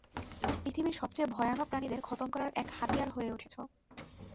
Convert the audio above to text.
পৃথিবীর সবচেয়ে ভয়ানক প্রাণীদের খতম করার এক হাতিয়ার হয়ে উঠেছো।